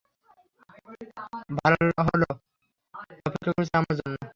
ভালহোল অপেক্ষা করছে আমার জন্য!